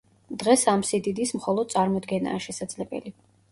დღეს ამ სიდიდის მხოლოდ წარმოდგენაა შესაძლებელი.